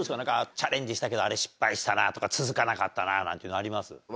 チャレンジしたけどあれ失敗したなとか続かなかったななんていうのあります？